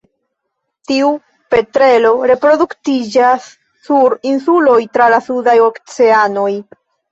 Tiu petrelo reproduktiĝas sur insuloj tra la sudaj oceanoj.